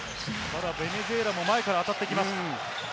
ベネズエラも前から当たってきます。